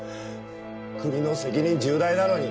国の責任重大なのに。